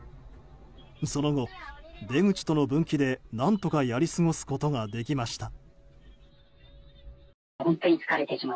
その後、出口との分岐で何とかやり過ごすことができました。